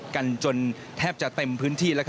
กันจนแทบจะเต็มพื้นที่